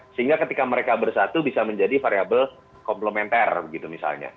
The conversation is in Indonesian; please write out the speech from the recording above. sehingga ketika mereka bersatu bisa menjadi variable komplementer gitu misalnya